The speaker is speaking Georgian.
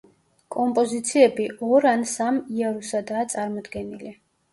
კომპოზიციები ორ ან სამ იარუსადაა წარმოდგენილი.